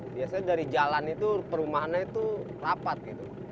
biasanya dari jalan itu perumahannya itu rapat gitu